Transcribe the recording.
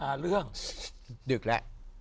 หาเรื่องดึกละ